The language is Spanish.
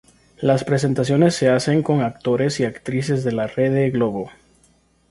Las presentaciones se hacen con actores y actrices de la Rede Globo.